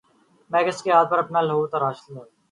میں کس کے ہاتھ پر اپنا لہو تلاش کروں